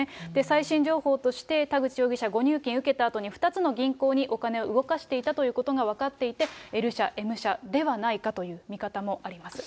最新情報として、田口容疑者、誤入金受けたあとに２つの銀行にお金を動かしていたということが分かっていて、Ｌ社、Ｍ社ではないかという見方もあります。